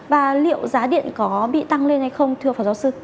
và liệu giá điện có bị tăng lên hay không thưa phó giáo sư